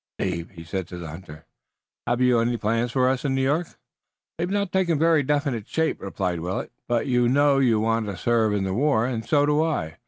"Dave," he said to the hunter, "have you any plans for us in New York?" "They've not taken very definite shape," replied Willet, "but you know you want to serve in the war, and so do I.